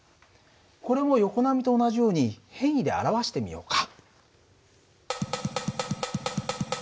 これも横波と同じように変位で表してみようか。